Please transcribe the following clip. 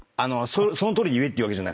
そのとおりに言えってわけじゃ。